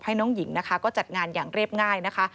น้องหญิงนะคะก็จัดงานอย่างเรียบง่ายนะคะ